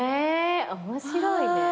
面白いね。